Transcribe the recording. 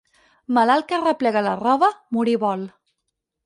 Malalt que arreplega la roba, morir vol.